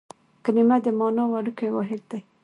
کلیمه د مانا وړوکی واحد دئ.